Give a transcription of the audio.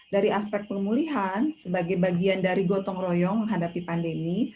dari aspek pemulihan sebagai bagian dari gotong royong menghadapi pandemi